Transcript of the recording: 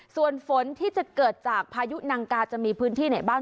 ส่วนฝนที่จะเกิดจากพายุนังกาจะมีพื้นที่ไหนบ้าง